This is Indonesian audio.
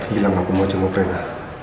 bilang aku mau jemput rena